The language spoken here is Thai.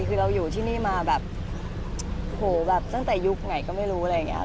คือเราอยู่ที่นี่มาแบบแห่งแต่ยุคไหนก็ไม่รู้อะไรแบบนี้